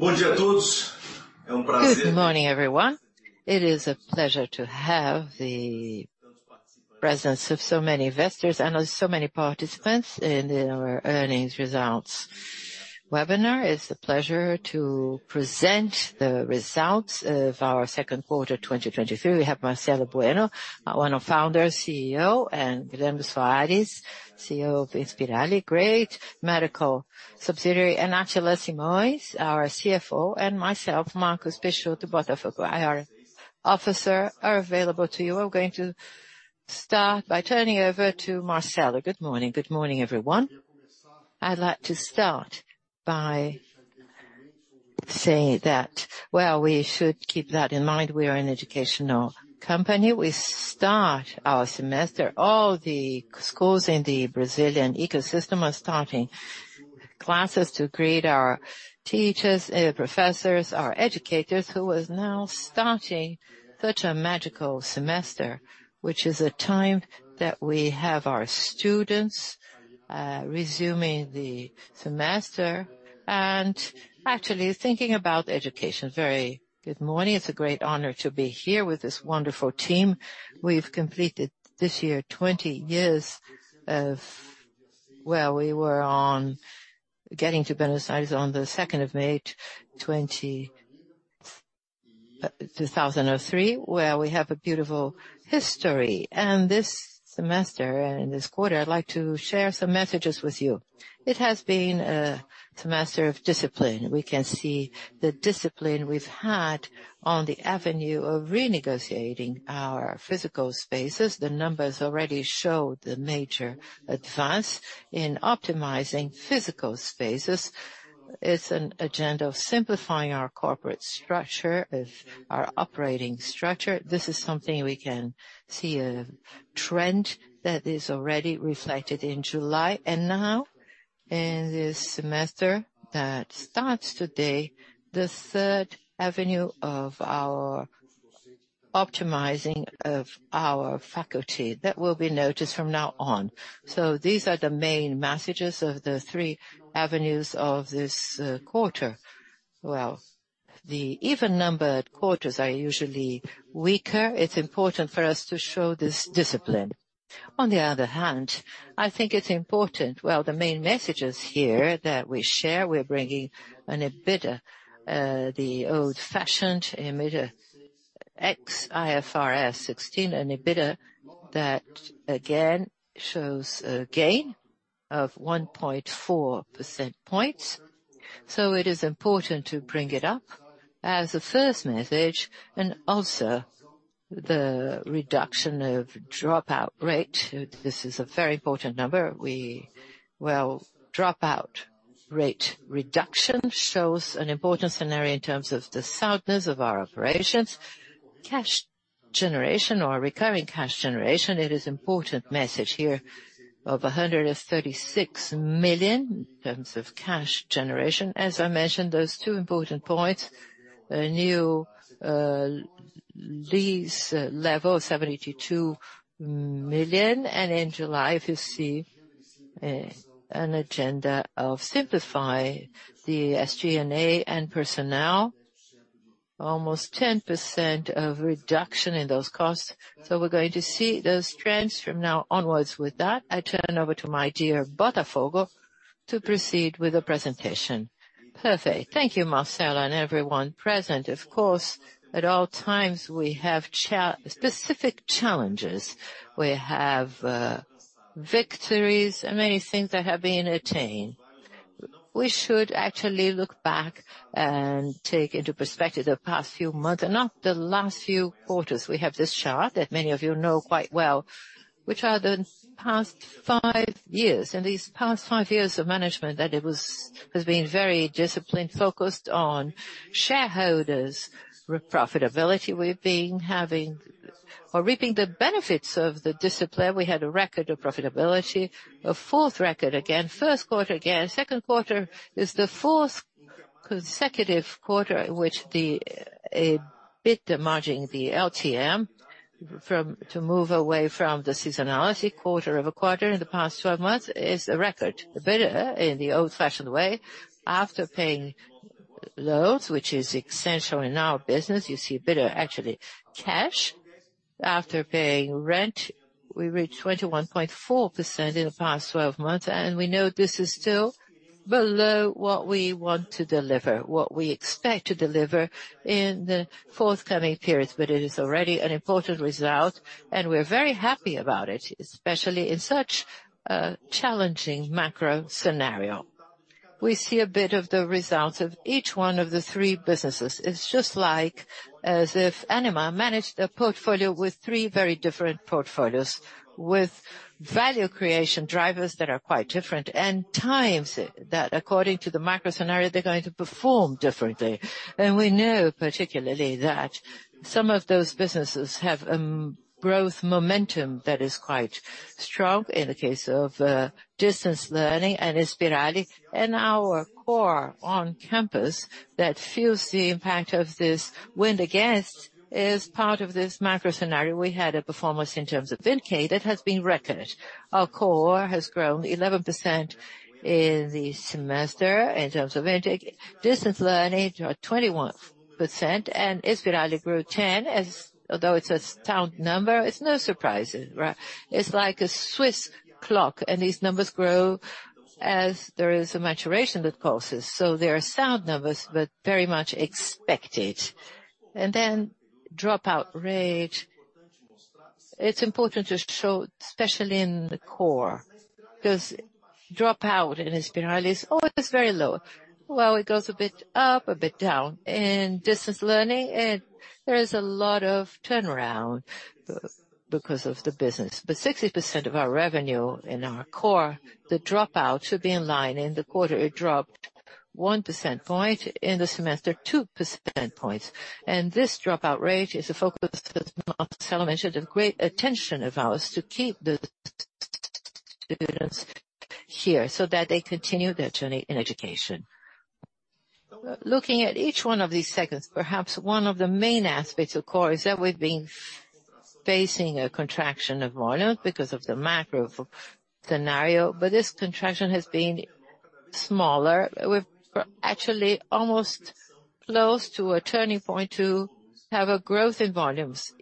Good morning, everyone. It is a pleasure to have the presence of so many investors and so many participants in our earnings results webinar. It's a pleasure to present the results of our second quarter, 2023. We have Marcelo Bueno, one of founders, CEO, and Guilherme Soares, CEO of Inspirali, great medical subsidiary, and Atila Simões, our CFO, and myself, Marcus Vinicius Botafogo, IR Officer, are available to you. We're going to start by turning over to Marcelo. Good morning. Good morning, everyone. I'd like to start by saying that, well, we should keep that in mind, we are an educational company. We start our semester. All the schools in the Brazilian ecosystem are starting classes to greet our teachers, professors, our educators, who is now starting such a magical semester, which is a time that we have our students resuming the semester and actually thinking about education. Very good morning. It's a great honor to be here with this wonderful team. We've completed this year, 20 years of-- Well, we were on getting to Beneficência Israelita on the second of May, 2003, where we have a beautiful history. This semester, and in this quarter, I'd like to share some messages with you. It has been a semester of discipline. We can see the discipline we've had on the avenue of renegotiating our physical spaces. The numbers already show the major advance in optimizing physical spaces. It's an agenda of simplifying our corporate structure, of our operating structure. This is something we can see a trend that is already reflected in July and now, in this semester that starts today, the third avenue of our optimizing of our faculty. That will be noticed from now on. These are the main messages of the three avenues of this quarter. Well, the even-numbered quarters are usually weaker. It's important for us to show this discipline. On the other hand, I think it's important-- Well, the main messages here that we share, we're bringing an EBITDA, the old-fashioned EBITDAX, IFRS 16, an EBITDA that again shows a gain of 1.4 percent points. It is important to bring it up as a first message and also the reduction of dropout rate. This is a very important number. Well, dropout rate reduction shows an important scenario in terms of the soundness of our operations. Cash generation or recurring cash generation, it is important message here of $136 million in terms of cash generation. As I mentioned, those two important points, a new lease level, $72 million, and in July, if you see, an agenda of simplify the SG&A and personnel, almost 10% of reduction in those costs. We're going to see those trends from now onwards. With that, I turn over to my dear Botafogo to proceed with the presentation. Perfect. Thank you, Marcelo, and everyone present. Of course, at all times, we have specific challenges. We have victories and many things that have been attained. We should actually look back and take into perspective the past few months, and not the last few quarters. We have this chart that many of you know quite well, which are the past 5 years, and these past 5 years of management, that it has been very disciplined, focused on shareholders, profitability. We've been having or reaping the benefits of the discipline. We had a record of profitability, a fourth record again, first quarter again. Second quarter is the fourth consecutive quarter in which the EBITDA margin, the LTM, to move away from the seasonality quarter of a quarter in the past 12 months, is a record. The EBITDA, in the old-fashioned way, after paying loads, which is essential in our business, you see EBITDA, actually, cash. After paying rent, we reached 21.4% in the past 12 months. We know this is still below what we want to deliver, what we expect to deliver in the forthcoming periods. It is already an important result, and we're very happy about it, especially in such a challenging macro scenario. We see a bit of the results of each one of the three businesses. It's just like as if Ânima managed a portfolio with three very different portfolios, with value creation drivers that are quite different, and times that, according to the macro scenario, they're going to perform differently. We know particularly that some of those businesses have a growth momentum that is quite strong in the case of distance learning and Inspirali, and our core on campus that feels the impact of this wind against is part of this macro scenario. We had a performance in terms of intake that has been recognized. Our core has grown 11% in the semester in terms of intake, distance learning, 21%, and Inspirali grew 10. Although it's a sound number, it's no surprise, right? It's like a Swiss clock. These numbers grow as there is a maturation that causes. They are sound numbers, but very much expected. Dropout rate, it's important to show, especially in the core, 'cause dropout in Inspirali is always very low. Well, it goes a bit up, a bit down. In distance learning, there is a lot of turnaround because of the business. 60% of our revenue in our core, the dropout should be in line. In the quarter, it dropped 1 percent point, in the semester, 2 percent points. This dropout rate is a focus, as Marcelo mentioned, of great attention of ours to keep the students here so that they continue their journey in education. Looking at each one of these segments, perhaps one of the main aspects, of course, is that we've been facing a contraction of volume because of the macro scenario, but this contraction has been smaller. We're actually almost close to a turning point to have a growth in volumes,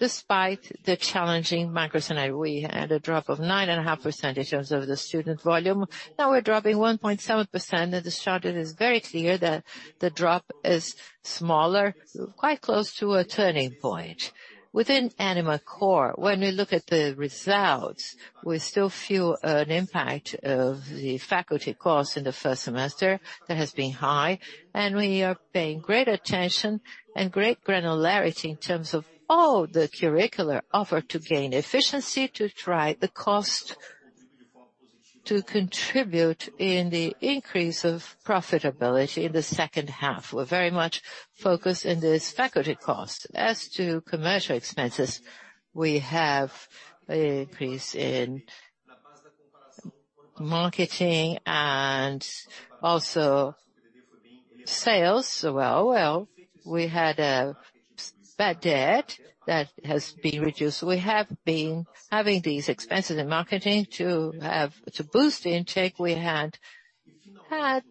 despite the challenging macro scenario. We had a drop of 9.5% in terms of the student volume. Now we're dropping 1.7%, and the chart, it is very clear that the drop is smaller, quite close to a turning point. Within Ânima Core, when we look at the results, we still feel an impact of the faculty costs in the first semester. That has been high, we are paying great attention and great granularity in terms of all the curricular offer to gain efficiency, to drive the cost, to contribute in the increase of profitability in the second half. We're very much focused in this faculty cost. As to commercial expenses, we have an increase in marketing and also sales. Well, well, we had a bad debt that has been reduced. We have been having these expenses in marketing to boost the intake. We had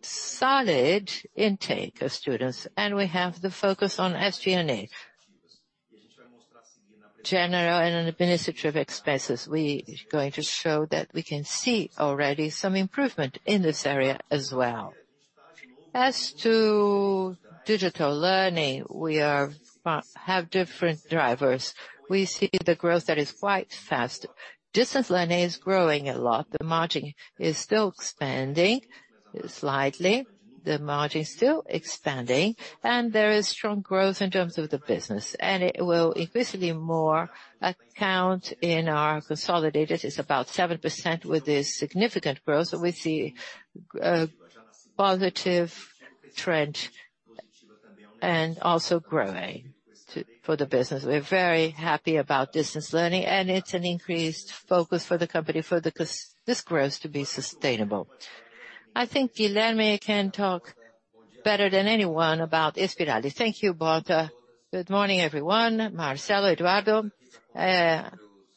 solid intake of students, and we have the focus on SG&A. General and administrative expenses, we are going to show that we can see already some improvement in this area as well. As to digital learning, we are have different drivers. We see the growth that is quite fast. Distance learning is growing a lot. The margin is still expanding slightly. The margin is still expanding, and there is strong growth in terms of the business, and it will increasingly more account in our consolidated. It's about 7% with this significant growth, so we see a positive trend and also growing to, for the business. We're very happy about distance learning, and it's an increased focus for the company for the cus- this growth to be sustainable. I think Guilherme can talk better than anyone about Inspirali. Thank you, Balta. Good morning, everyone, Marcelo, Eduardo.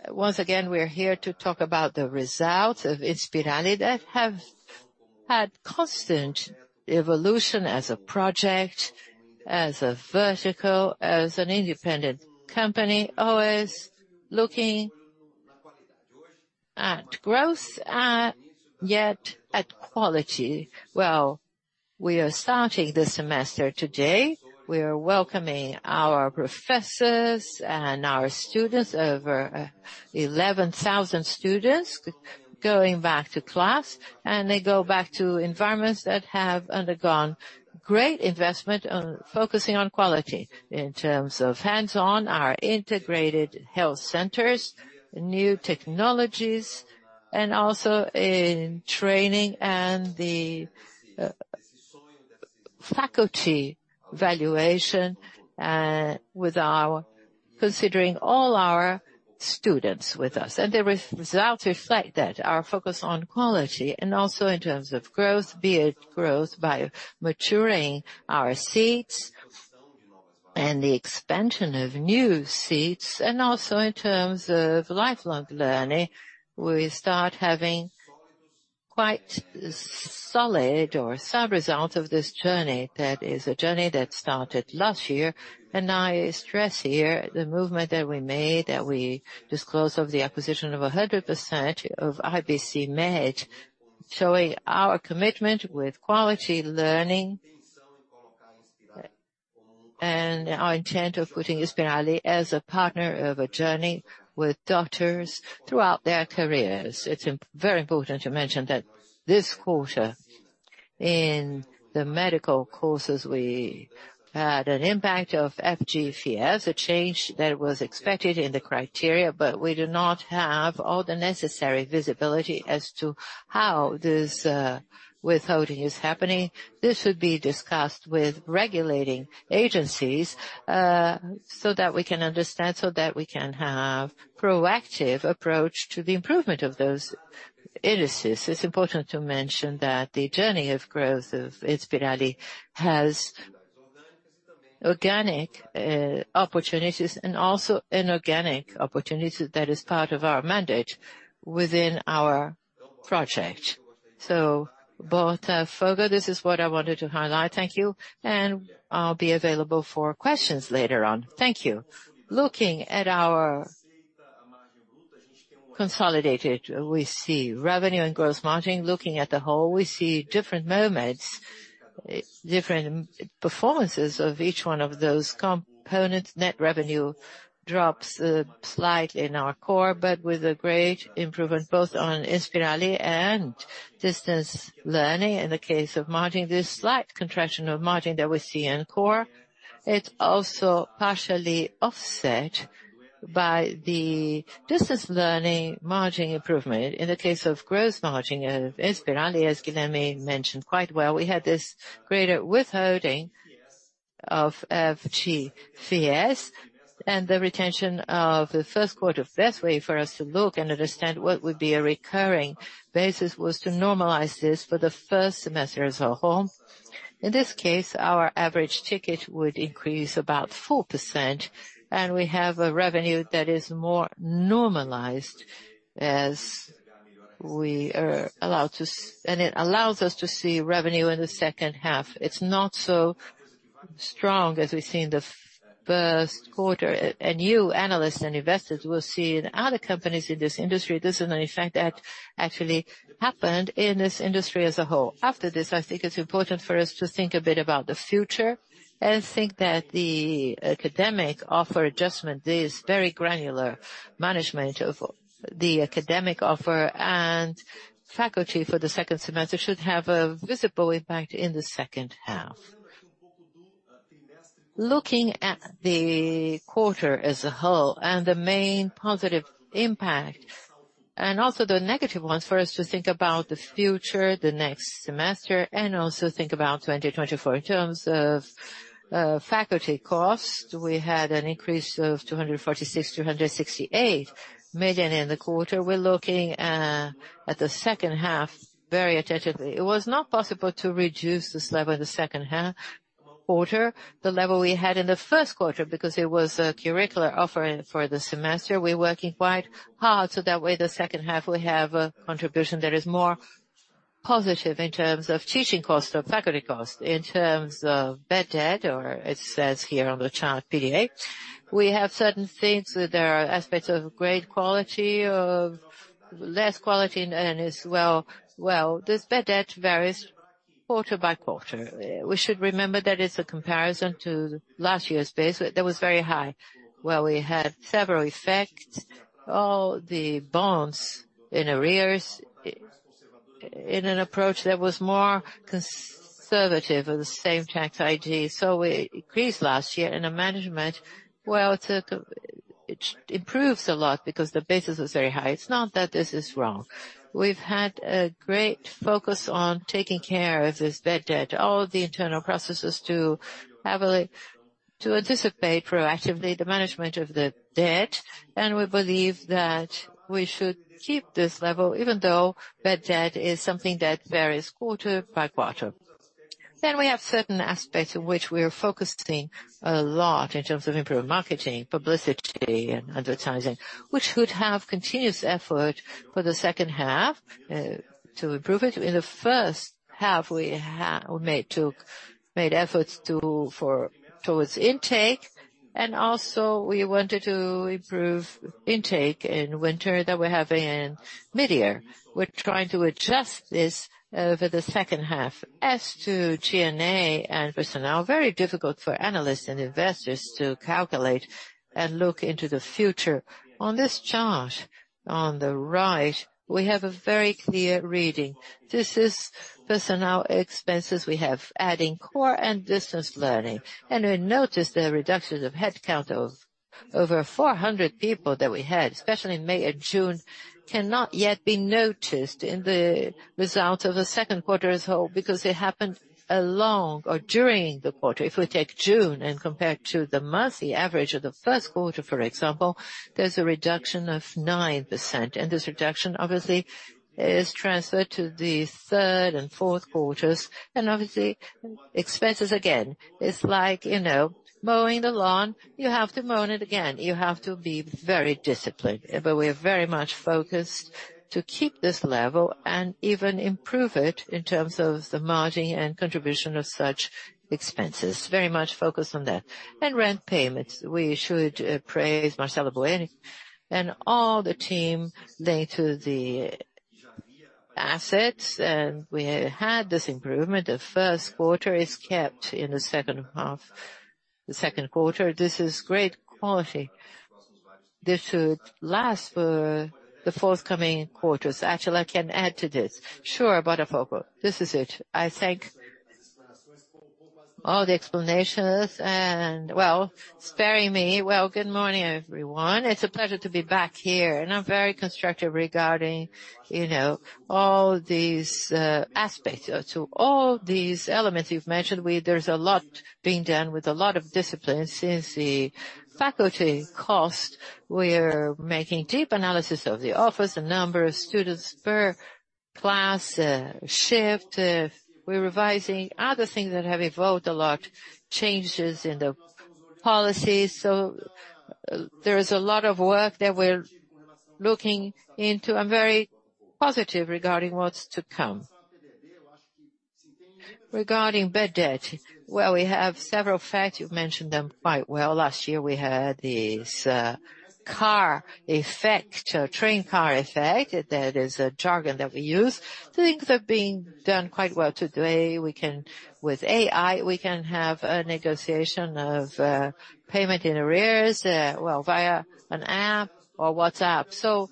Once again, we're here to talk about the results of Inspirali that have had constant evolution as a project, as a vertical, as an independent company, always looking at growth, at, yet at quality. Well, we are starting the semester today. We are welcoming our professors and our students, over 11,000 students going back to class. They go back to environments that have undergone great investment on focusing on quality in terms of hands-on, our integrated health centers, new technologies, and also in training and the faculty evaluation, considering all our students with us. The results reflect that, our focus on quality and also in terms of growth, be it growth by maturing our seats and the expansion of new seats, and also in terms of lifelong learning, we start having quite solid or sound results of this journey. That is a journey that started last year. I stress here the movement that we made, that we disclosed of the acquisition of 100% of IBCMED, showing our commitment with quality learning and our intent of putting Inspirali as a partner of a journey with doctors throughout their careers. It's very important to mention that this quarter. In the medical courses, we had an impact of FIES, a change that was expected in the criteria, we do not have all the necessary visibility as to how this withholding is happening. This should be discussed with regulating agencies that we can understand, so that we can have proactive approach to the improvement of those indices. It's important to mention that the journey of growth of Inspirali has organic opportunities and also inorganic opportunities. That is part of our mandate within our project. Both, further, this is what I wanted to highlight. Thank you, and I'll be available for questions later on. Thank you. Looking at our consolidated, we see revenue and gross margin. Looking at the whole, we see different moments, different performances of each one of those components. Net revenue drops, slightly in our Core, but with a great improvement both on Inspirali and distance learning. In the case of margin, this slight contraction of margin that we see in Core, it's also partially offset by the distance learning margin improvement. In the case of gross margin of Inspirali, as Guilherme mentioned quite well, we had this greater withholding of FIES and the retention of the first quarter. Best way for us to look and understand what would be a recurring basis was to normalize this for the first semester as a whole. In this case, our average ticket would increase about 4%, and we have a revenue that is more normalized as we are allowed to-- and it allows us to see revenue in the second half. It's not so strong as we see in the first quarter. You, analysts and investors, will see in other companies in this industry, this is an effect that actually happened in this industry as a whole. After this, I think it's important for us to think a bit about the future and think that the academic offer adjustment, this very granular management of the academic offer and faculty for the second semester, should have a visible impact in the second half. Looking at the quarter as a whole, and the main positive impact, and also the negative ones, for us to think about the future, the next semester, and also think about 2024. In terms of faculty cost, we had an increase of 246 million to 268 million in the quarter. We're looking at the second half very attentively. It was not possible to reduce this level in the second half quarter, the level we had in the first quarter, because it was a curricular offer for the semester. We're working quite hard, so that way, the second half, we have a contribution that is more positive in terms of teaching cost or faculty cost. In terms of bad debt, or it says here on the chart, PDA, we have certain things where there are aspects of great quality, of less quality and as well. Well, this bad debt varies quarter by quarter. We should remember that it's a comparison to last year's base. That was very high, where we had several effects, all the bonds in arrears, in an approach that was more conservative of the same tax ID. It increased last year, the management, It improves a lot because the basis is very high. It's not that this is wrong. We've had a great focus on taking care of this bad debt, all the internal processes to have, to anticipate proactively the management of the debt, and we believe that we should keep this level, even though bad debt is something that varies quarter by quarter. We have certain aspects in which we are focusing a lot in terms of improved marketing, publicity and advertising, which would have continuous effort for the second half to improve it. In the first half, we made efforts towards intake, and also we wanted to improve intake in winter that we have in mid-year. We're trying to adjust this over the second half. As to G&A and personnel, very difficult for analysts and investors to calculate and look into the future. On this chart, on the right, we have a very clear reading. This is personnel expenses we have, adding core and distance learning. We notice the reduction of headcount of over 400 people that we had, especially in May and June, cannot yet be noticed in the results of the second quarter as a whole, because it happened along or during the quarter. If we take June and compare to the monthly average of the first quarter, for example, there's a reduction of 9%. This reduction, obviously, is transferred to the third and fourth quarters. Obviously, expenses, again, it's like, you know, mowing the lawn. You have to mow it again. You have to be very disciplined. We are very much focused to keep this level and even improve it in terms of the margin and contribution of such expenses. Very much focused on that. Rent payments. We should praise Marcelo Bueno and all the team related to the assets. We had this improvement. The first quarter is kept in the second half, the second quarter. This is great quality. This should last for the forthcoming quarters. Actually, I can add to this. Sure, Botafogo, this is it. I thank all the explanations, and well, sparing me. Well, good morning, everyone. It's a pleasure to be back here, and I'm very constructive regarding, you know, all these aspects. To all these elements you've mentioned, there's a lot being done with a lot of discipline. Since the faculty cost, we're making deep analysis of the office, the number of students per class, shift. We're revising other things that have evolved a lot, changes in the policies. There is a lot of work that we're looking into, I'm very positive regarding what's to come. Regarding bad debt, well, we have several facts. You've mentioned them quite well. Last year, we had this car effect, train car effect. That is a jargon that we use. Things are being done quite well today. We can, with AI, we can have a negotiation of payment in arrears, well, via an app or WhatsApp.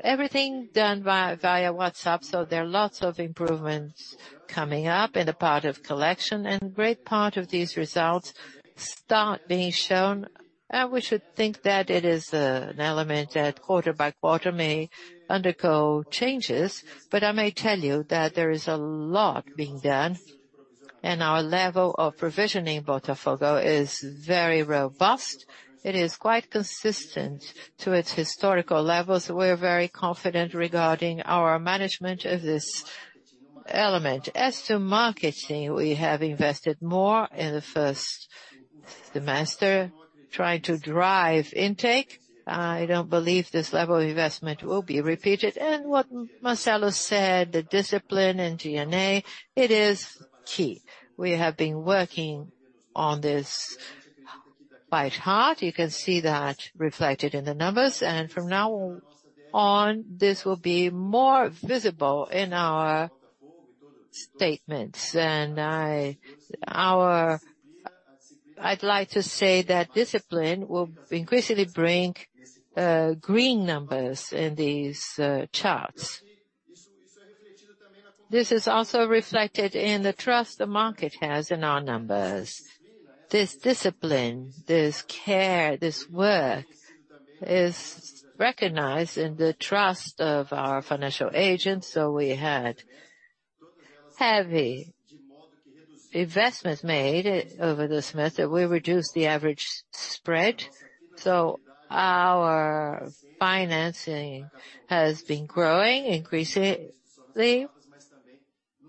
Everything done via WhatsApp, so there are lots of improvements coming up in the part of collection, and great part of these results start being shown. We should think that it is an element that quarter by quarter may undergo changes. I may tell you that there is a lot being done, and our level of provisioning Botafogo is very robust. It is quite consistent to its historical levels. We're very confident regarding our management of this element. As to marketing, we have invested more in the first semester, trying to drive intake. I don't believe this level of investment will be repeated. What Marcelo said, the discipline and DNA, it is key. We have been working on this quite hard. You can see that reflected in the numbers, and from now on, this will be more visible in our statements. I'd like to say that discipline will increasingly bring green numbers in these charts. This is also reflected in the trust the market has in our numbers. This discipline, this care, this work, is recognized in the trust of our financial agents. We had heavy investments made over the semester. We reduced the average spread, so our financing has been growing increasingly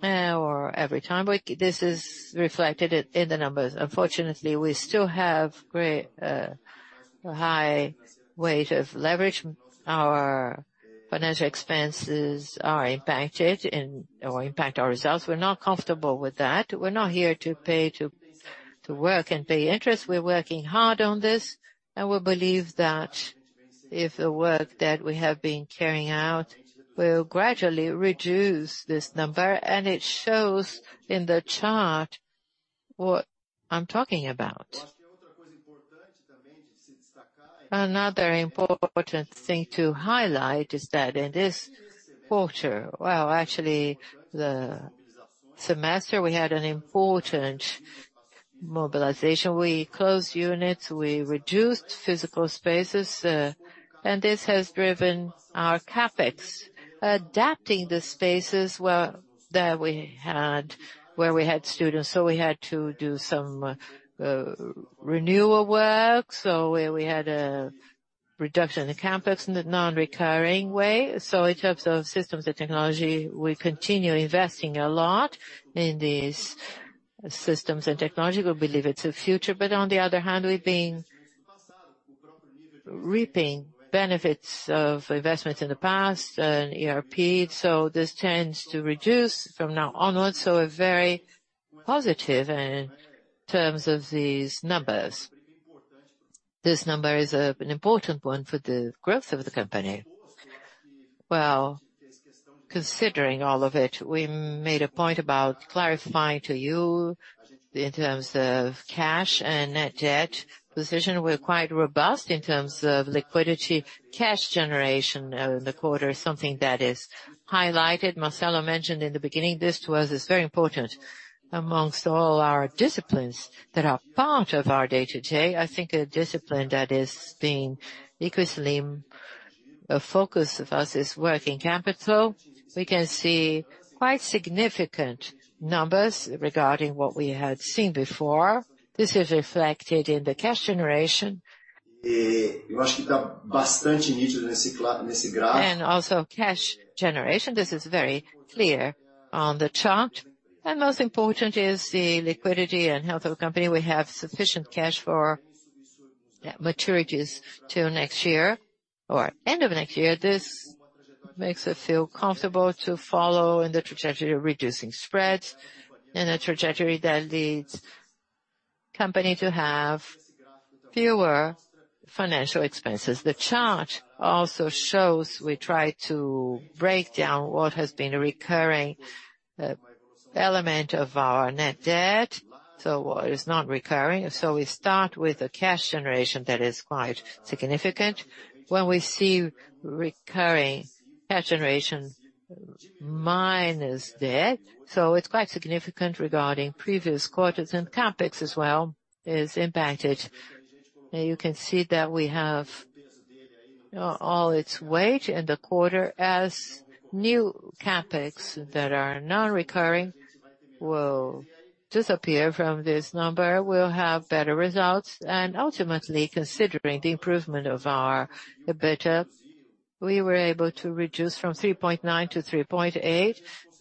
or every time. This is reflected in the numbers. Unfortunately, we still have great high weight of leverage. Our financial expenses are impacted in or impact our results. We're not comfortable with that. We're not here to pay to, to work and pay interest. We're working hard on this, and we believe that if the work that we have been carrying out will gradually reduce this number, and it shows in the chart what I'm talking about. Another important thing to highlight is that in this quarter, well, actually, the semester, we had an important mobilization. We closed units, we reduced physical spaces, and this has driven our CapEx. Adapting the spaces well, that we had, where we had students, so we had to do some renewal work. We, we had a reduction in the CapEx in a non-recurring way. In terms of systems and technology, we continue investing a lot in these systems and technology. We believe it's the future. On the other hand, we've been reaping benefits of investments in the past, ERP. This tends to reduce from now onwards, so we're very positive in terms of these numbers. This number is an important one for the growth of the company. Well, considering all of it, we made a point about clarifying to you in terms of cash and net debt. Position, we're quite robust in terms of liquidity. Cash generation in the quarter is something that is highlighted. Marcelo mentioned in the beginning, this to us is very important amongst all our disciplines that are part of our day-to-day. I think a discipline that is being increasingly a focus of us is working capital. We can see quite significant numbers regarding what we had seen before. This is reflected in the cash generation. Also cash generation, this is very clear on the chart. Most important is the liquidity and health of the company. We have sufficient cash for maturities till next year or end of next year. This makes us feel comfortable to follow in the trajectory of reducing spreads, in a trajectory that leads company to have fewer financial expenses. The chart also shows we tried to break down what has been a recurring element of our net debt, so what is not recurring. We start with a cash generation that is quite significant. When we see recurring cash generation minus debt, so it's quite significant regarding previous quarters, and CapEx as well is impacted. Now you can see that we have all its weight in the quarter as new CapEx that are non-recurring will disappear from this number. We'll have better results, ultimately, considering the improvement of our EBITDA, we were able to reduce from 3.9 to 3.8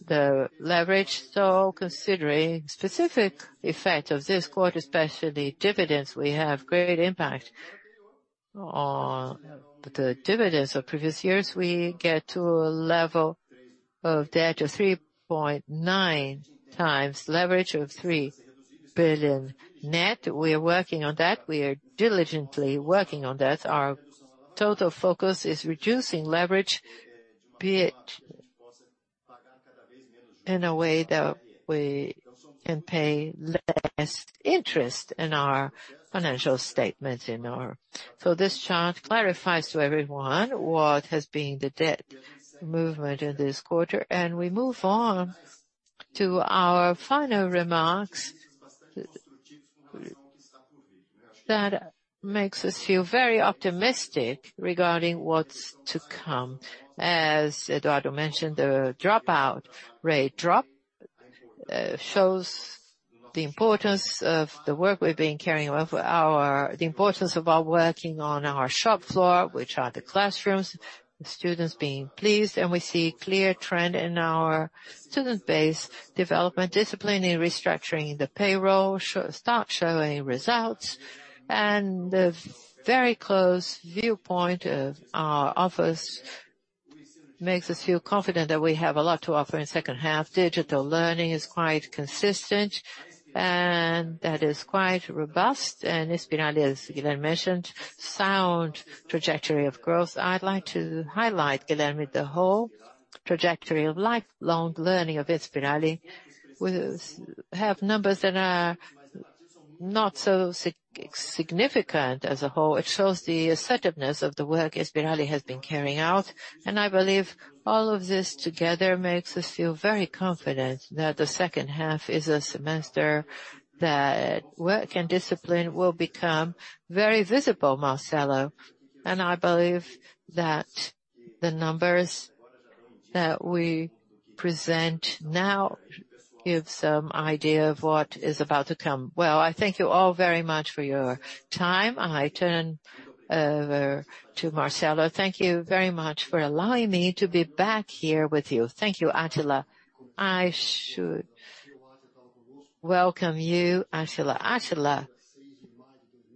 the leverage. Considering specific effect of this quarter, especially dividends, we have great impact on the dividends of previous years. We get to a level of debt of 3.9 times leverage of 3 billion net. We are working on that. We are diligently working on that. Our total focus is reducing leverage, be it in a way that we can pay less interest in our financial statements. This chart clarifies to everyone what has been the debt movement in this quarter. We move on to our final remarks that makes us feel very optimistic regarding what's to come. As Eduardo mentioned, the dropout rate drop shows the importance of our working on our shop floor, which are the classrooms, the students being pleased, and we see a clear trend in our student base development, discipline, and restructuring the payroll start showing results. The very close viewpoint of our office makes us feel confident that we have a lot to offer in second half. Digital learning is quite consistent, and that is quite robust. Inspira, as Guilherme mentioned, sound trajectory of growth. I'd like to highlight, Guilherme, the whole trajectory of lifelong learning of Inspira. We have numbers that are not so significant as a whole. It shows the assertiveness of the work Inspira has been carrying out, and I believe all of this together makes us feel very confident that the second half is a semester, that work and discipline will become very visible, Marcelo, and I believe that the numbers that we present now give some idea of what is about to come. Well, I thank you all very much for your time. I turn over to Marcelo. Thank you very much for allowing me to be back here with you. Thank you, Atila. I should welcome you, Atila. Atila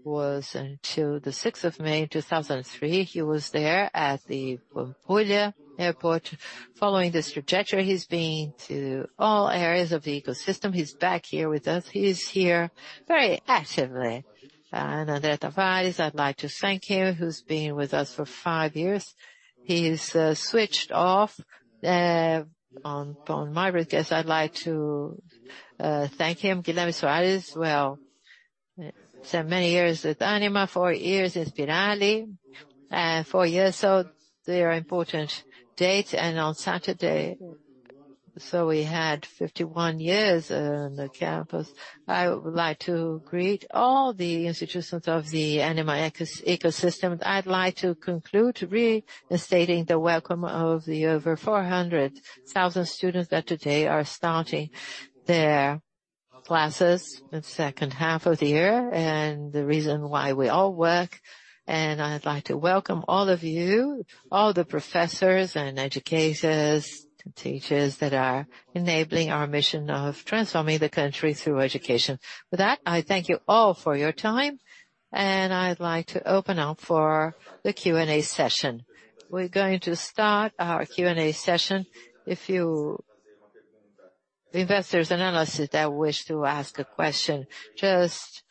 was until the 6th of May, 2003. He was there at the Pampulha Airport. Following this trajectory, he's been to all areas of the ecosystem. He's back here with us. He is here very actively. André Tavares, I'd like to thank him, who's been with us for 5 years. He's switched off on my request. I'd like to thank him. Guilherme Soares, well, so many years with Ânima, four years in Inspira, four years old. They are important date and on Saturday, we had 51 years on the campus. I would like to greet all the institutions of the Ânima ecosystem. I'd like to conclude restating the welcome of the over 400,000 students that today are starting their classes in second half of the year, the reason why we all work. I'd like to welcome all of you, all the professors and educators, teachers that are enabling our mission of transforming the country through education. With that, I thank you all for your time, I'd like to open up for the Q&A session. We're going to start our Q&A session. If you, the investors and analysts that wish to ask a question, just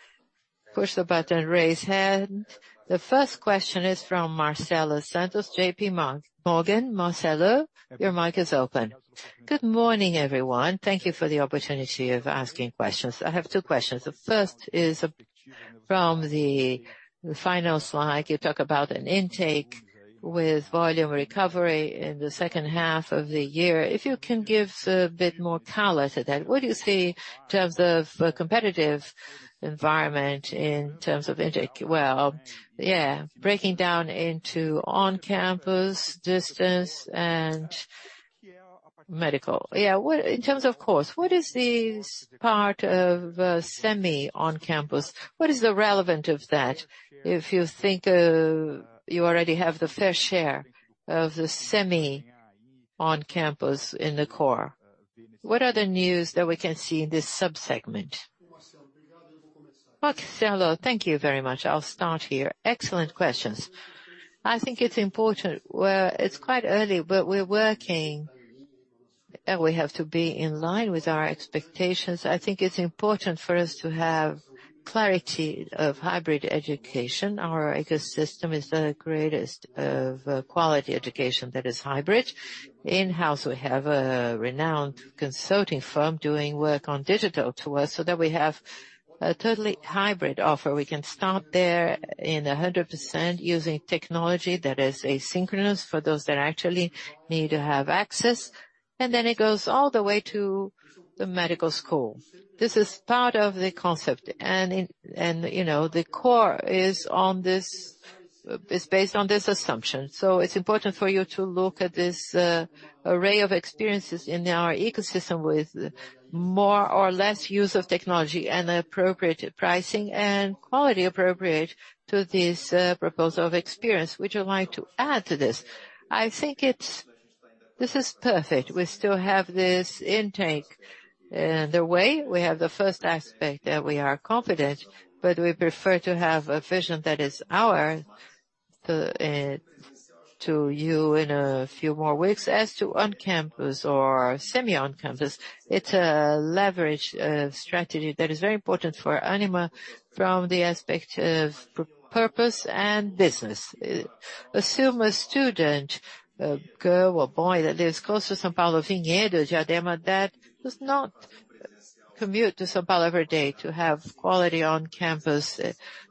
push the button, raise hand. The first question is from Marcelo Santos, JP Morgan. Marcelo, your mic is open. Good morning, everyone. Thank you for the opportunity of asking questions. I have two questions. The first is from the final slide. You talk about an intake with volume recovery in the second half of the year. If you can give a bit more color to that, what do you see in terms of the competitive environment, in terms of intake? Well, yeah, breaking down into on-campus, distance, and medical. What in terms of course, what is this part of semi on-campus? What is the relevant of that, if you think, you already have the fair share of the semi on-campus in the core? What are the news that we can see in this subsegment? Marcelo, thank you very much. I'll start here. Excellent questions. I think it's important, well, it's quite early, but we're working. We have to be in line with our expectations. I think it's important for us to have clarity of hybrid education. Our ecosystem is the greatest of quality education that is hybrid. In-house, we have a renowned consulting firm doing work on digital to us, so that we have a totally hybrid offer. We can start there in a 100% using technology that is asynchronous for those that actually need to have access, and then it goes all the way to the medical school. This is part of the concept, and, you know, the core is on this, is based on this assumption. It's important for you to look at this array of experiences in our ecosystem with more or less use of technology and appropriate pricing and quality appropriate to this proposal of experience. Would you like to add to this? I think it's -- this is perfect. We still have this intake the way. We have the first aspect that we are confident, but we prefer to have a vision that is ours to you in a few more weeks. As to on-campus or semi-on-campus, it's a leverage strategy that is very important for Ânima from the aspect of p-purpose and business. Assume a student, a girl or boy, that lives close to São Paulo, does not commute to São Paulo every day to have quality on-campus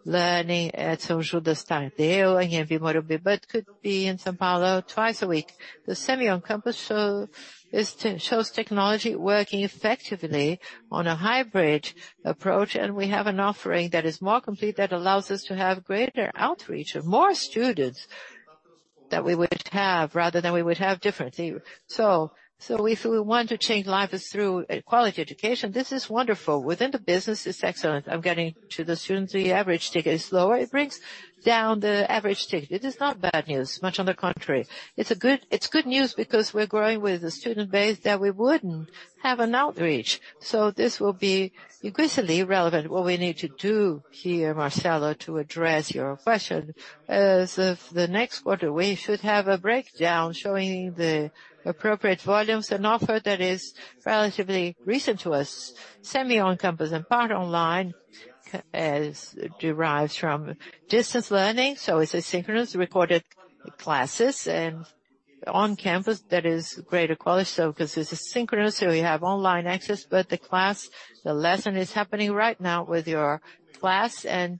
learning at São Judas Tadeu in Morumbi, but could be in São Paulo twice a week. The semi on-campus shows technology working effectively on a hybrid approach. We have an offering that is more complete, that allows us to have greater outreach of more students that we would have, rather than we would have differently. If we want to change lives through quality education, this is wonderful. Within the business, it's excellent. I'm getting to the students, the average ticket is lower. It brings down the average ticket. It is not bad news, much on the contrary. It's good news because we're growing with a student base that we wouldn't have an outreach. This will be increasingly relevant. What we need to do here, Marcelo, to address your question, as of the next quarter, we should have a breakdown showing the appropriate volumes and offer that is relatively recent to us. Semi-on-campus and part online, as derives from distance learning, it's asynchronous, recorded classes and on campus, that is greater quality. Because it's asynchronous, so you have online access, the class, the lesson is happening right now with your class and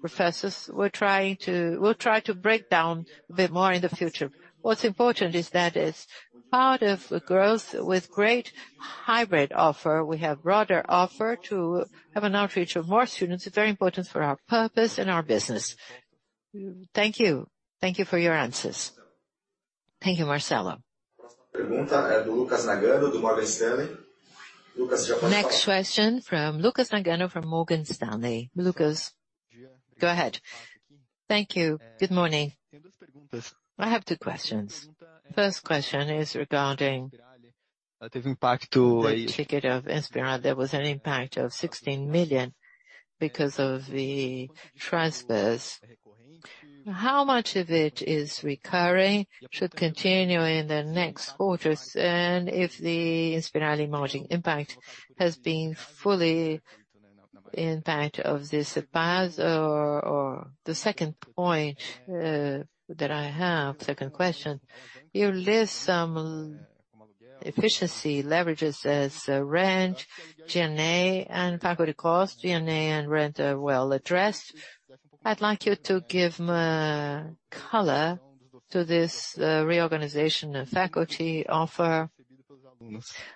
professors. We're trying, we'll try to break down a bit more in the future. What's important is that it's part of the growth with great hybrid offer. We have broader offer to have an outreach of more students. It's very important for our purpose and our business. Thank you. Thank you for your answers. Thank you, Marcelo. Next question from Lucas Nagano from Morgan Stanley. Lucas, go ahead. Thank you. Good morning. I have two questions. First question is regarding the ticket of Inspirali. There was an impact of 16 million because of the transfers. How much of it is recurring, should continue in the next quarters, and if the Inspirali margin impact has been fully impact of this pass? The second point that I have, second question, you list some efficiency leverages as rent, G&A, and faculty cost. G&A and rent are well addressed. I'd like you to give color to this reorganization of faculty offer.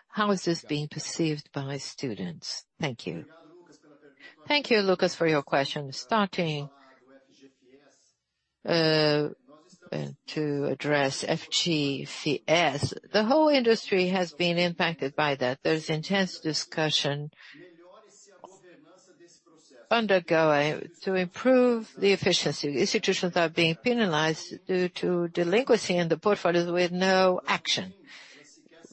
How is this being perceived by students? Thank you. Thank you, Lucas, for your question. Starting to address FIES. The whole industry has been impacted by that. There is intense discussion undergoing to improve the efficiency. Institutions are being penalized due to delinquency in the portfolios with no action.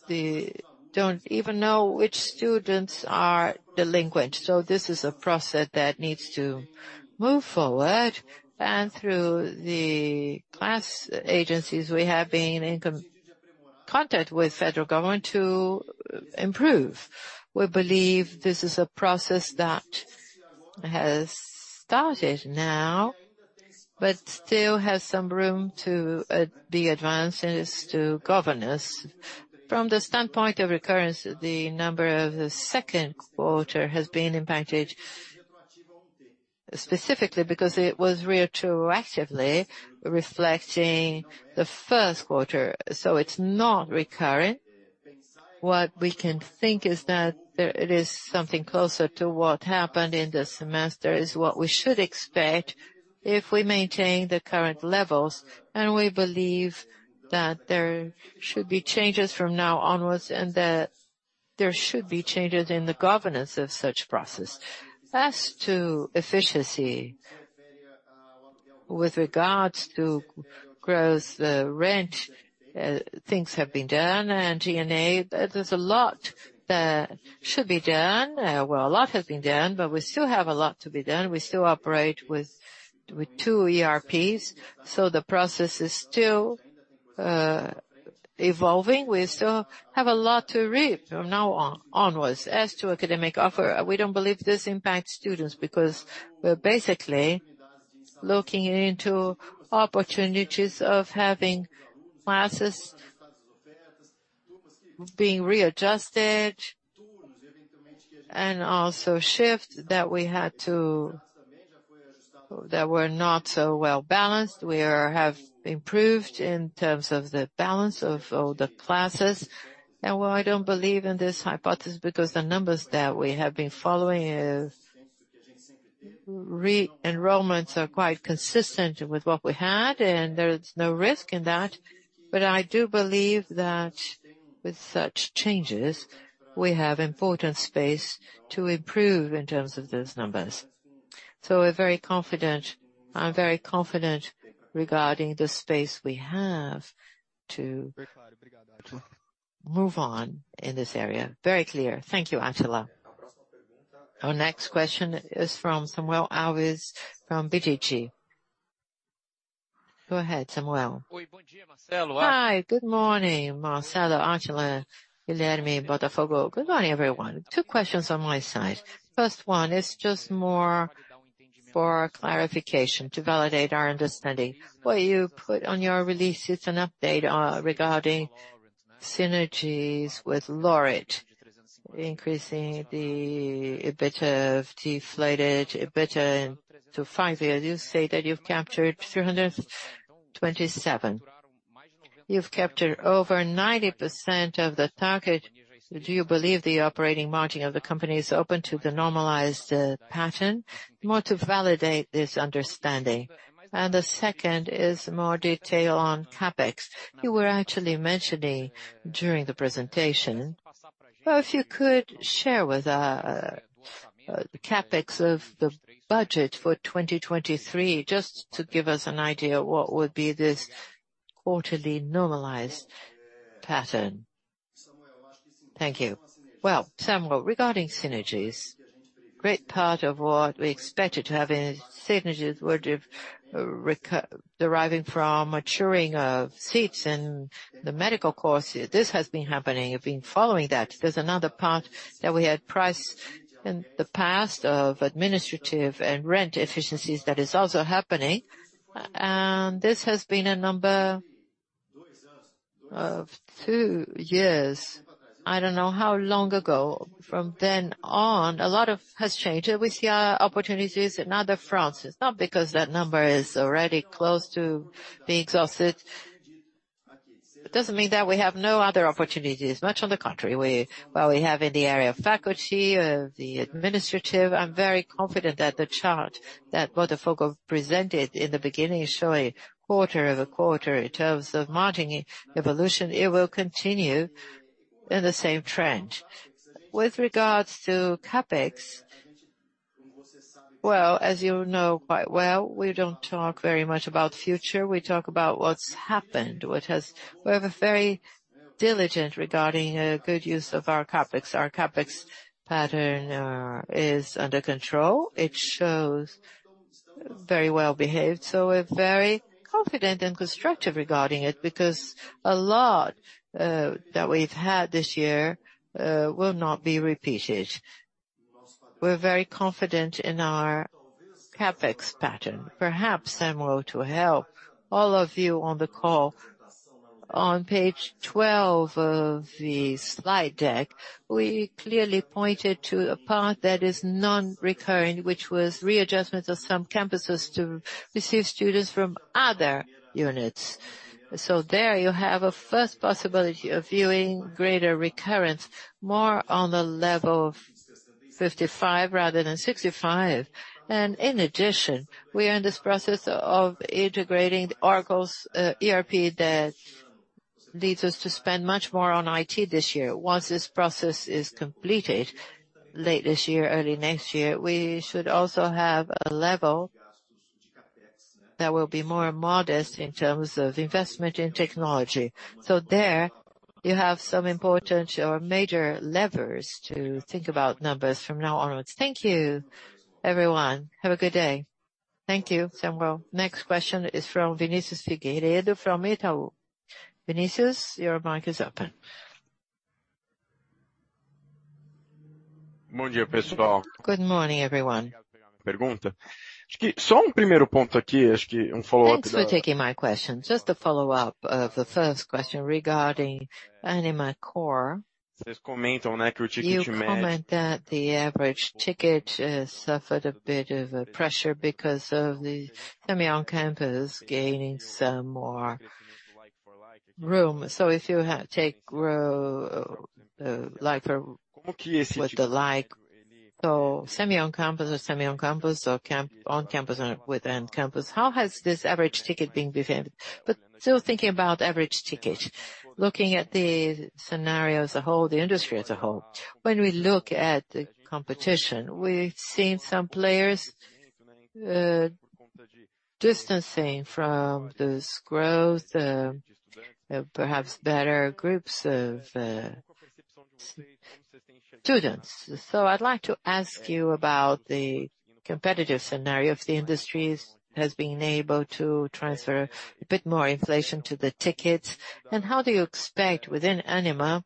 They don't even know which students are delinquent. This is a process that needs to move forward, and through the class agencies, we have been in contact with federal government to improve. We believe this is a process that has started now, but still has some room to be advanced as to governance. From the standpoint of recurrence, the number of the second quarter has been impacted, specifically because it was retroactively reflecting the first quarter, so it's not recurring. What we can think is that it is something closer to what happened in the semester, is what we should expect if we maintain the current levels, and we believe that there should be changes from now onwards, and that there should be changes in the governance of such process. As to efficiency, with regards to growth, rent, things have been done, and G&A, there's a lot that should be done. Well, a lot has been done. We still have a lot to be done. We still operate with 2 ERPs, so the process is still evolving. We still have a lot to reap from now on, onwards. As to academic offer, we don't believe this impacts students, because we're basically looking into opportunities of having classes being readjusted, and also shift that we had that were not so well-balanced. We have improved in terms of the balance of the classes. Well, I don't believe in this hypothesis, because the numbers that we have been following is re-enrollments are quite consistent with what we had, and there is no risk in that. I do believe that with such changes, we have important space to improve in terms of those numbers. We're very confident-- I'm very confident regarding the space we have to, to move on in this area. Very clear. Thank you, Atila. Our next question is from Samuel Alves from BTG. Go ahead, Samuel. Hi, good morning, Marcelo, Atila, Guilherme, Botafogo. Good morning, everyone. 2 questions on my side. First one is just more for clarification, to validate our understanding. What you put on your release, it's an update, regarding synergies with Laureate, increasing the EBITDA of deflated EBITDA to 5. You say that you've captured 327. You've captured over 90% of the target. Do you believe the operating margin of the company is open to the normalized pattern? More to validate this understanding. The second is more detail on CapEx. You were actually mentioning during the presentation. If you could share with CapEx of the budget for 2023, just to give us an idea of what would be this quarterly normalized pattern. Thank you. Well, Samuel, regarding synergies, great part of what we expected to have in synergies would've deriving from maturing of seats in the medical courses. This has been happening. I've been following that. There's another part that we had priced in the past of administrative and rent efficiencies that is also happening, and this has been a number of 2 years. I don't know how long ago. From then on, a lot of has changed, and we see opportunities in other fronts. It's not because that number is already close to being exhausted. It doesn't mean that we have no other opportunities. Much on the contrary, well, we have in the area of faculty, the administrative. I'm very confident that the chart that Botafogo presented in the beginning, showing quarter-over-quarter in terms of margin evolution, it will continue in the same trend. With regards to CapEx, well, as you know quite well, we don't talk very much about future. We talk about what's happened. We're very diligent regarding a good use of our CapEx. Our CapEx pattern is under control. It shows very well behaved. We're very confident and constructive regarding it, because a lot that we've had this year will not be repeated. We're very confident in our CapEx pattern. Perhaps, Samuel, to help all of you on the call, on page 12 of the slide deck, we clearly pointed to a part that is non-recurring, which was readjustment of some campuses to receive students from other units. There you have a 1st possibility of viewing greater recurrence, more on the level of 55 rather than 65. In addition, we are in this process of integrating Oracle's ERP that leads us to spend much more on IT this year. Once this process is completed, late this year, early next year, we should also have a level that will be more modest in terms of investment in technology. There you have some important or major levers to think about numbers from now onwards. Thank you, everyone. Have a good day. Thank you, Samuel. Next question is from Vinicius Figueiredo, from Itaú. Vinicius, your mic is open. Good morning, everyone. Thanks for taking my question. Just a follow-up of the 1st question regarding Ânima Core. You comment that the average ticket suffered a bit of a pressure because of the semi on-campus gaining some more room. If you ha- take ro- like for, with the like, so semi on-campus or semi on-campus, or camp- on-campus and within campus, how has this average ticket being behaved? Still thinking about average ticket, looking at the scenario as a whole, the industry as a whole, when we look at the competition, we've seen some players distancing from this growth, perhaps better groups of students. I'd like to ask you about the competitive scenario, if the industry has been able to transfer a bit more inflation to the tickets, and how do you expect within Ânima,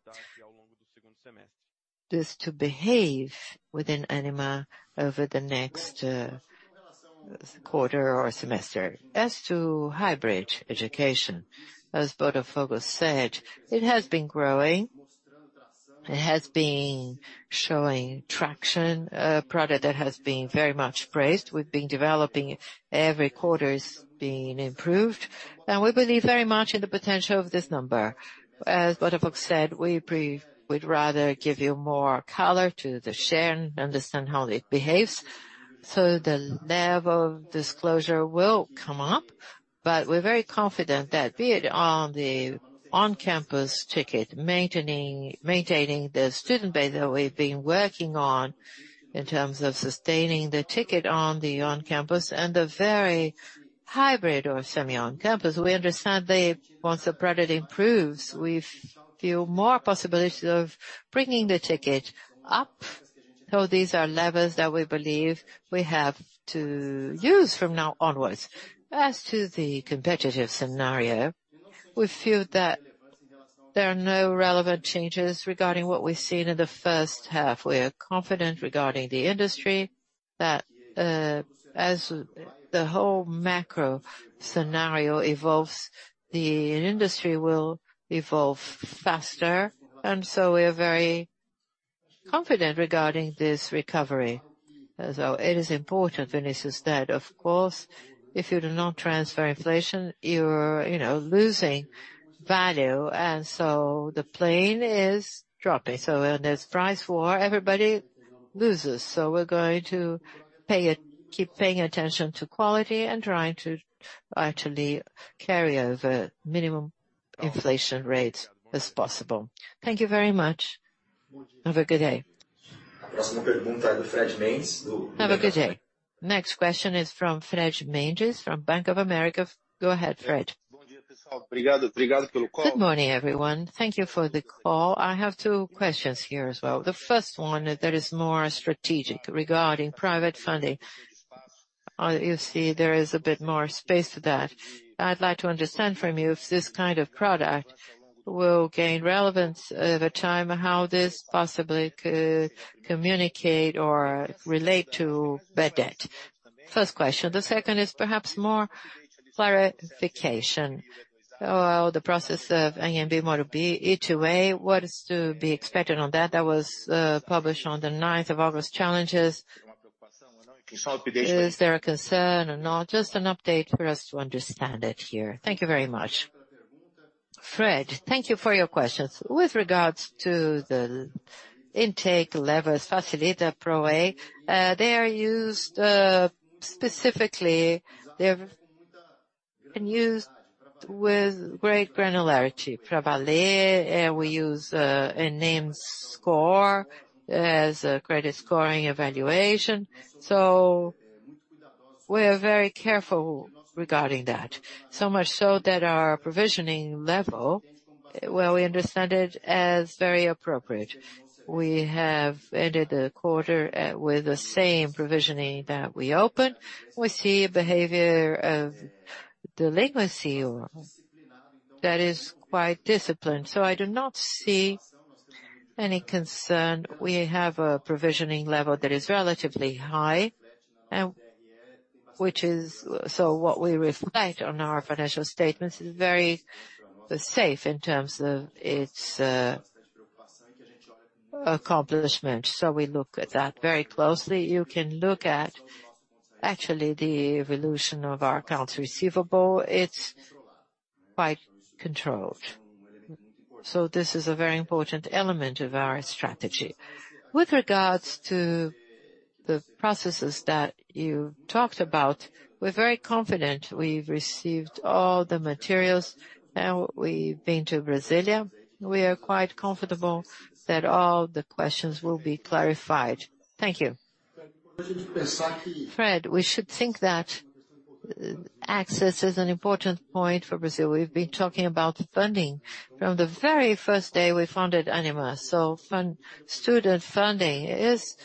this to behave within Ânima over the next quarter or semester? As to hybrid education, as Botafogo said, it has been growing. It has been showing traction, a product that has been very much praised. We've been developing, every quarter is being improved, and we believe very much in the potential of this number. As Botafogo said, we'd rather give you more color to the share and understand how it behaves. The level of disclosure will come up, but we're very confident that be it on the on-campus ticket, maintaining, maintaining the student base that we've been working on in terms of sustaining the ticket on the on-campus and the very hybrid or semi on-campus. We understand that once the product improves, we feel more possibilities of bringing the ticket up. These are levels that we believe we have to use from now onwards. As to the competitive scenario, we feel that there are no relevant changes regarding what we've seen in the first half. We are confident regarding the industry, that, as the whole macro scenario evolves, the industry will evolve faster, so we are very confident regarding this recovery. It is important, Vinicius, that of course, if you do not transfer inflation, you're, you know, losing value, the plane is dropping. When there's price war, everybody loses. We're going to keep paying attention to quality and trying to actually carry over minimum inflation rates as possible. Thank you very much. Have a good day. Have a good day. Next question is from Fred Mendes, from Bank of America. Go ahead, Fred. Good morning, everyone. Thank you for the call. I have 2 questions here as well. The first one, that is more strategic regarding private funding. You see there is a bit more space for that. I'd like to understand from you if this kind of product will gain relevance over time, and how this possibly could communicate or relate to bad debt? First question. The second is perhaps more clarification. The process of Anhembi, Morumbi, E2A, what is to be expected on that? That was published on the ninth of August. Challenges. Is there a concern or not? Just an update for us to understand it here. Thank you very much. Fred, thank you for your questions. With regards to the intake levels, Facilita, Proa, they are used, specifically, they've been used with great granularity. Pravaler, we use a name score as a credit scoring evaluation. We're very careful regarding that. Much so that our provisioning level, well, we understand it as very appropriate. We have ended the quarter with the same provisioning that we opened. We see a behavior of delinquency that is quite disciplined. I do not see any concern. We have a provisioning level that is relatively high, and which is what we reflect on our financial statements is very safe in terms of its accomplishment. We look at that very closely. You can look at, actually, the evolution of our accounts receivable. It's quite controlled. This is a very important element of our strategy. With regards to the processes that you talked about, we're very confident. We've received all the materials, now we've been to Brasília. We are quite comfortable that all the questions will be clarified. Thank you. Fred Pesqui. Fred, we should think that access is an important point for Brazil. We've been talking about funding from the very first day we founded Ânima. Student funding is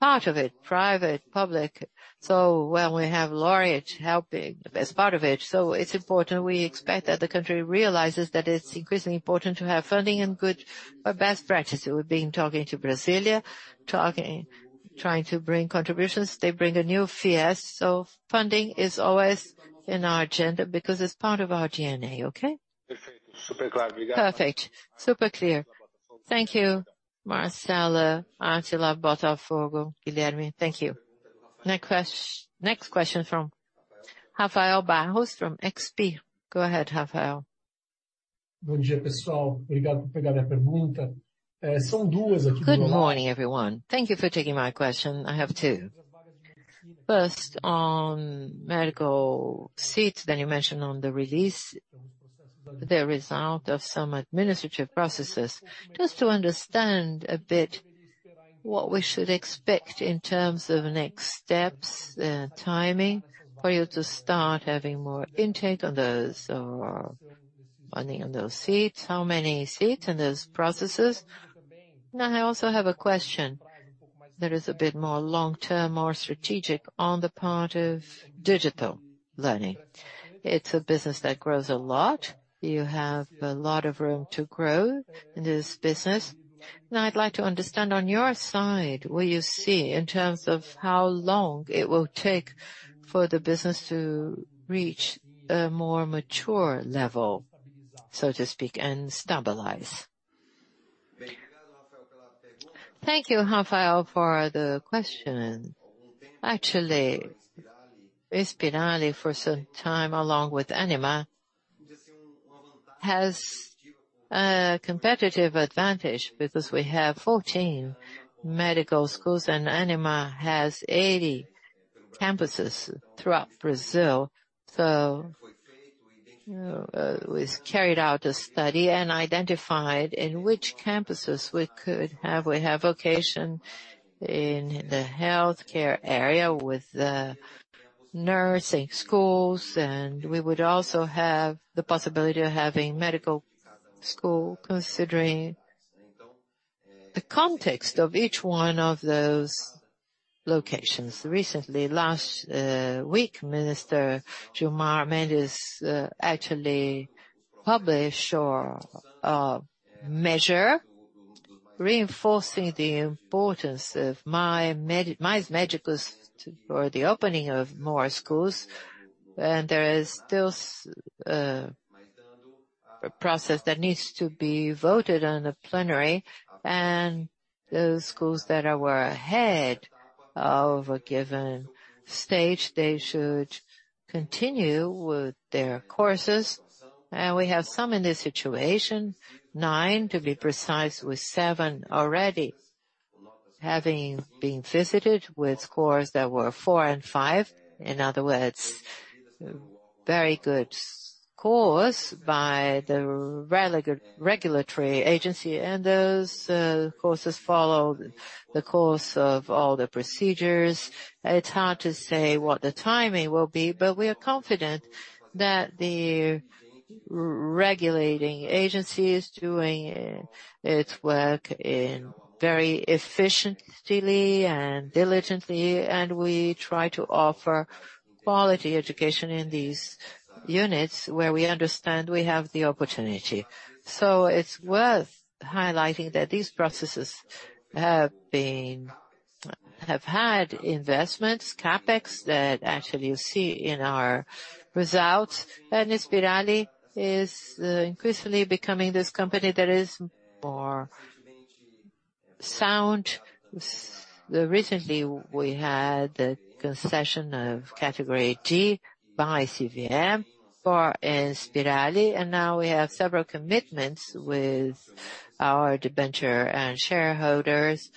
part of it, private, public. When we have Laureate helping as part of it, so it's important. We expect that the country realizes that it's increasingly important to have funding and good or best practices. We've been talking to Brasília, talking, trying to bring contributions. They bring a new FIES, so funding is always in our agenda because it's part of our DNA. Okay? Super clear. Perfect. Super clear. Thank you, Marcelo, Atila, Botafogo, Guilherme. Thank you. Next question from Rafael Barros from XP. Go ahead, Rafael. Good morning, everyone. Thank you for taking my question. I have two. First, on medical seats that you mentioned on the release, the result of some administrative processes. Just to understand what we should expect in terms of next steps, timing, for you to start having more intake on those or funding on those seats, how many seats in those processes? I also have a question that is a bit more long-term, more strategic on the part of digital learning. It's a business that grows a lot. You have a lot of room to grow in this business. I'd like to understand, on your side, what you see in terms of how long it will take for the business to reach a more mature level, so to speak, and stabilize? Thank you, Rafael, for the question. Actually, Inspirali for some time, along with Ânima, has a competitive advantage because we have 14 medical schools, and Ânima has 80 campuses throughout Brazil. We carried out a study and identified in which campuses we could have. We have location in the healthcare area with the nursing schools, and we would also have the possibility of having medical school, considering the context of each one of those locations. Recently, last week, Minister Gilmar Mendes actually published our measure, reinforcing the importance of my medicals for the opening of more schools. There is still a process that needs to be voted on the plenary, and those schools that are, were ahead of a given stage, they should continue with their courses. We have some in this situation, 9 to be precise, with 7 already having been visited with scores that were 4 and 5. In other words, very good scores by the regulatory agency, and those courses follow the course of all the procedures. It's hard to say what the timing will be, but we are confident that the regulating agency is doing its work in very efficiently and diligently, and we try to offer quality education in these units where we understand we have the opportunity. It's worth highlighting that these processes have had investments, CapEx, that actually you see in our results. Inspirali is increasingly becoming this company that is more sound. Recently, we had the concession of category G by CVM for Inspirali, and now we have several commitments with our debenture and shareholders.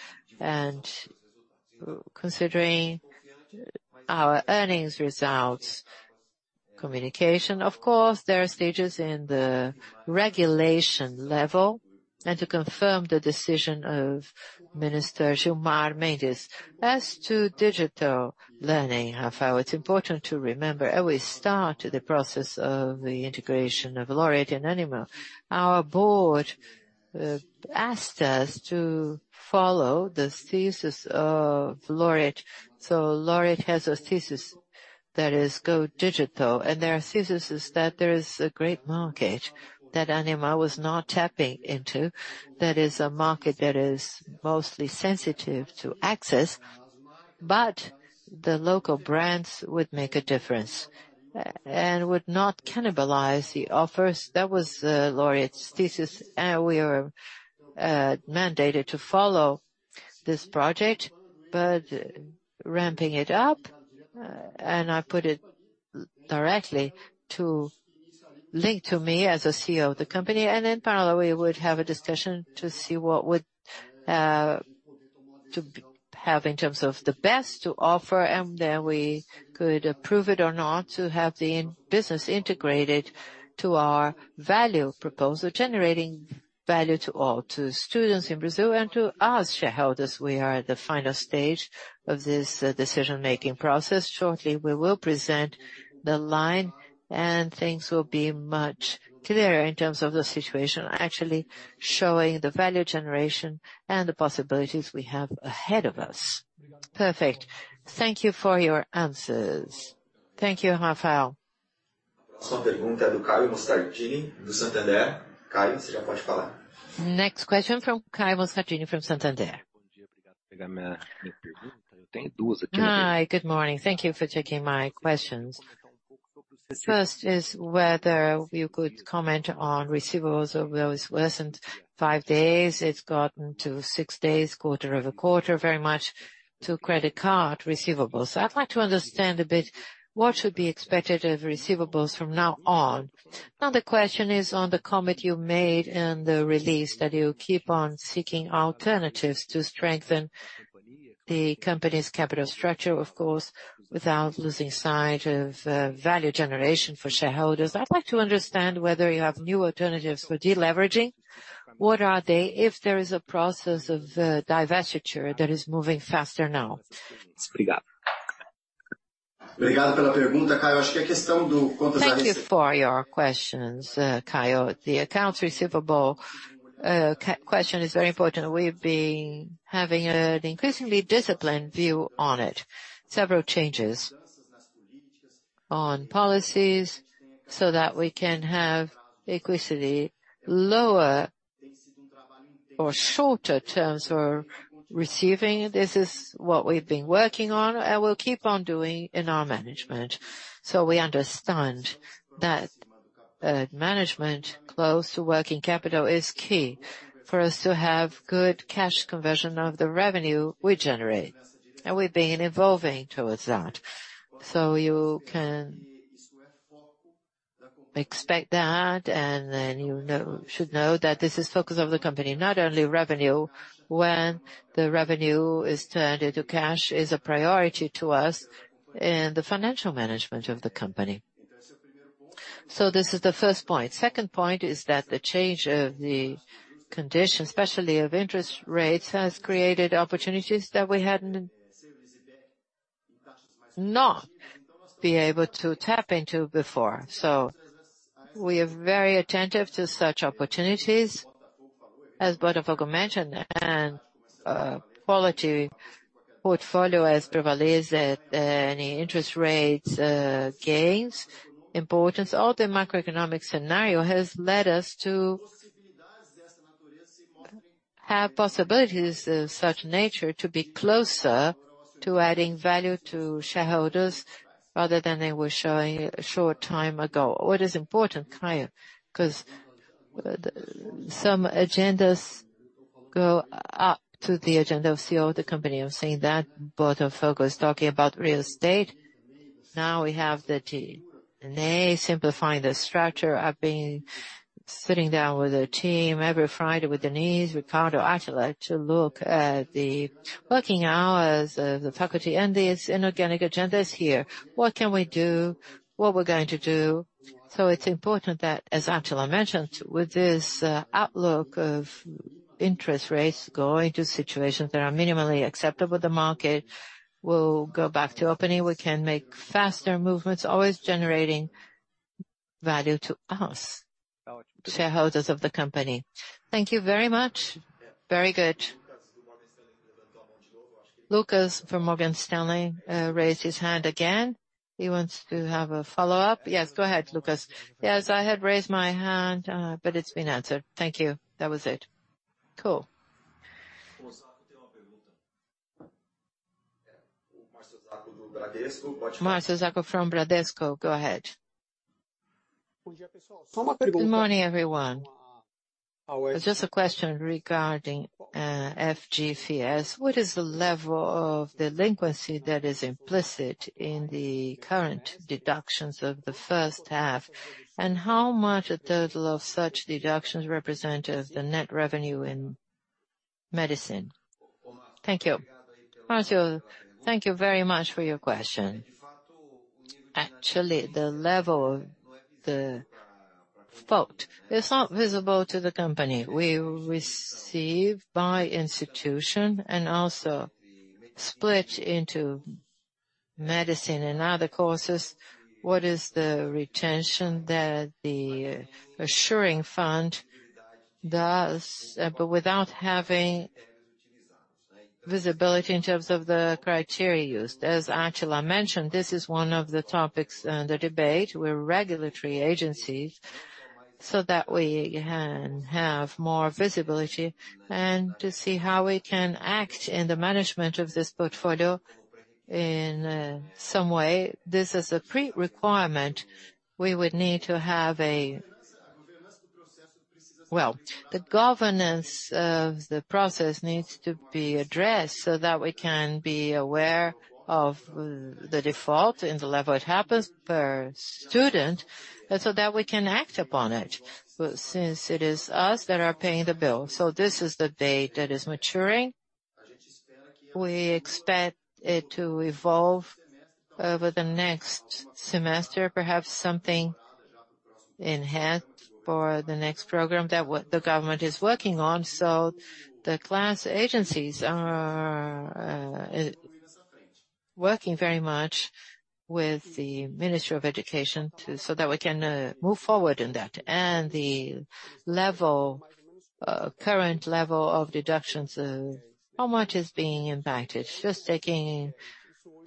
Considering our earnings results, communication, of course, there are stages in the regulation level and to confirm the decision of Minister Gilmar Mendes. As to digital learning, Rafael, it's important to remember, as we started the process of the integration of Laureate and Ânima, our board asked us to follow the thesis of Laureate. Laureate has a thesis that is go digital, and their thesis is that there is a great market that Ânima was not tapping into. That is a market that is mostly sensitive to access, but the local brands would make a difference and would not cannibalize the offers. That was Laureate's thesis, and we are mandated to follow this project, but ramping it up, and I put it directly to link to me as a CEO of the company. In parallel, we would have a discussion to see what would to have in terms of the best to offer, and then we could approve it or not to have the business integrated to our value proposal, generating value to all, to students in Brazil and to us shareholders. We are at the final stage of this decision-making process. Shortly, we will present the line, things will be much clearer in terms of the situation, actually showing the value generation and the possibilities we have ahead of us. Perfect. Thank you for your answers. Thank you, Rafael. Next question from Caio Moscardini from Santander. Hi, good morning. Thank you for taking my questions. First is whether you could comment on receivables over those worsened 5 days, it's gotten to 6 days, quarter-over-quarter, very much to credit card receivables. I'd like to understand a bit what should be expected of receivables from now on. Now, the question is on the comment you made in the release, that you keep on seeking alternatives to strengthen the company's capital structure, of course, without losing sight of value generation for shareholders. I'd like to understand whether you have new alternatives for deleveraging. What are they, if there is a process of divestiture that is moving faster now? Thank you for your questions, Caio. The accounts receivable question is very important. We've been having an increasingly disciplined view on it. Several changes on policies so that we can have increasingly lower or shorter terms for receiving. This is what we've been working on, and we'll keep on doing in our management. We understand that management close to working capital is key for us to have good cash conversion of the revenue we generate, and we've been evolving towards that. You can expect that, and then you know, should know that this is focus of the company, not only revenue. When the revenue is turned into cash is a priority to us in the financial management of the company. This is the first point. Second point is that the change of the conditions, especially of interest rates, has created opportunities that we hadn't not been able to tap into before. We are very attentive to such opportunities, as Botafogo mentioned, and quality portfolio has prevailed, as any interest rates gains importance. All the macroeconomic scenario has led us to have possibilities of such nature to be closer to adding value to shareholders, rather than they were showing a short time ago. What is important, Caio, because some agendas go up to the agenda of CEO of the company. I'm saying that Botafogo is talking about real estate. Now we have the team, and they simplifying the structure. I've been sitting down with the team every Friday, with Denise, Ricardo, Atila, to look at the working hours of the faculty and the inorganic agendas here. What can we do? What we're going to do? It's important that, as Atila mentioned, with this outlook of interest rates going to situations that are minimally acceptable with the market, we'll go back to opening. We can make faster movements, always generating value to us, shareholders of the company. Thank you very much. Very good. Lucas from Morgan Stanley raised his hand again. He wants to have a follow-up. Yes, go ahead, Lucas. Yes, I had raised my hand, but it's been answered. Thank you. That was it. Cool. Marcio Zaccaro from Bradesco, go ahead. Good morning, everyone. Just a question regarding FIES. What is the level of delinquency that is implicit in the current deductions of the first half? How much a total of such deductions represent of the net revenue in medicine? Thank you. Marcio, thank you very much for your question. Actually, the level of the fault is not visible to the company. We receive by institution and also split into medicine and other courses. What is the retention that the assuring fund does, but without having visibility in terms of the criteria used? As Atila mentioned, this is one of the topics, the debate with regulatory agencies, so that we can have more visibility and to see how we can act in the management of this portfolio in some way. This is a pre-requirement. We would need to have a... Well, the governance of the process needs to be addressed so that we can be aware of the default and the level it happens per student, and so that we can act upon it, but since it is us that are paying the bill. This is the date that is maturing. We expect it to evolve over the next semester, perhaps something in hand for the next program that what the government is working on. The class agencies are working very much with the Ministry of Education so that we can move forward in that. The level, current level of deductions, how much is being impacted? Just taking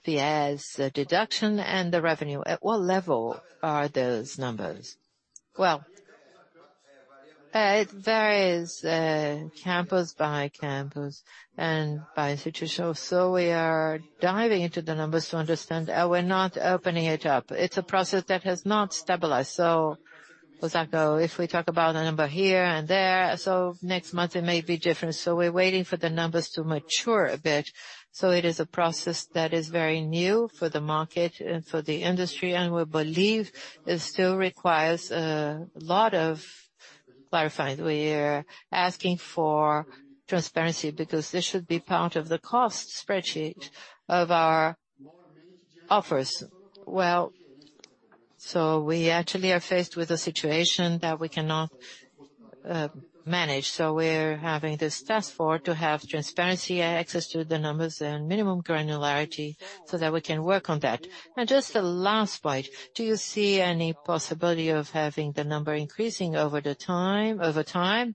FIES, the deduction, and the revenue, at what level are those numbers? Well, it varies, campus by campus and by institution. We are diving into the numbers to understand, and we're not opening it up. It's a process that has not stabilized. Zaccaro, if we talk about a number here and there, so next month it may be different. We're waiting for the numbers to mature a bit. It is a process that is very new for the market and for the industry, and we believe it still requires a lot of clarifying. We are asking for transparency, because this should be part of the cost spreadsheet of our offers. We actually are faced with a situation that we cannot manage. We're having this task force to have transparency and access to the numbers and minimum granularity so that we can work on that. Just the last point, do you see any possibility of having the number increasing over the time, over time,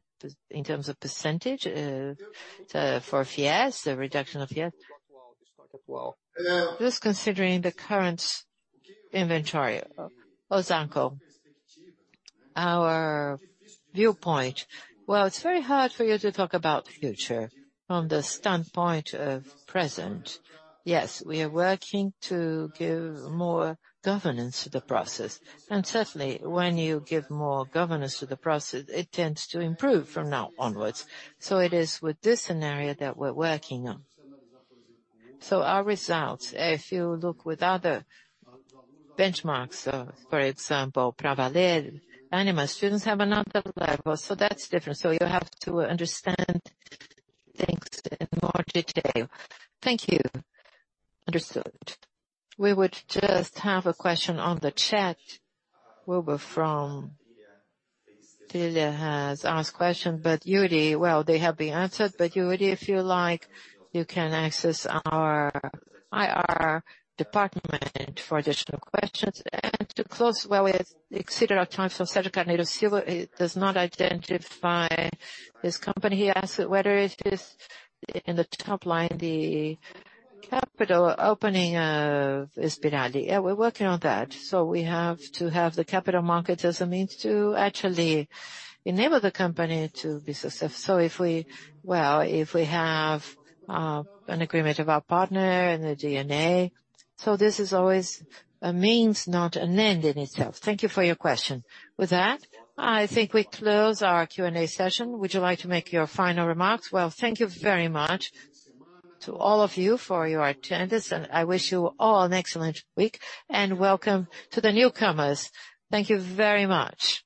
in terms of %, for Fies, the reduction of Fies? Just considering the current inventory. Zaccaro, our viewpoint, well, it's very hard for you to talk about the future from the standpoint of present. Yes, we are working to give more governance to the process, and certainly, when you give more governance to the process, it tends to improve from now onwards. It is with this scenario that we're working on. Our results, if you look with other benchmarks, for example, Pravaler, Ânima, students have another level, so that's different. You have to understand things in more detail. Thank you. Understood. We would just have a question on the chat. Wilbur from Lilia has asked question, but Yuri, well, they have been answered. Yuri, if you like, you can access our IR department for additional questions. To close, well, we have exceeded our time, so Cedric Janeiro Silva does not identify his company. He asked whether it is in the top line, the capital opening of Inspirali. Yeah, we're working on that. We have to have the capital markets as a means to actually enable the company to be successful. If we have an agreement of our partner and the DNA, so this is always a means, not an end in itself. Thank you for your question. With that, I think we close our Q&A session. Would you like to make your final remarks? Well, thank you very much to all of you for your attendance, and I wish you all an excellent week, and welcome to the newcomers. Thank you very much.